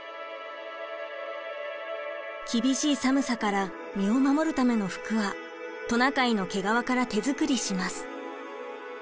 厳しい寒さから身を守るための服はトナカイの毛皮から手作りします。